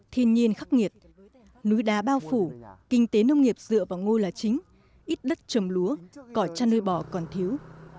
thiên nhiên khắc nghiệt núi đá bao phủ kinh tế nông nghiệp dựa vào ngôi là chính ít đất trầm lúa cỏ chăn nuôi bò còn thiếu